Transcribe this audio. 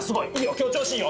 今日調子いいよ！